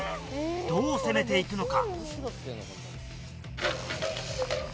どう攻めていくのか？